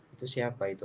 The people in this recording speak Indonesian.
itu siapa itu